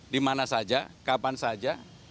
dimana saja kapan saja